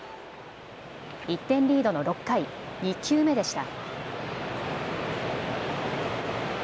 １点リードの６回、２球目でした。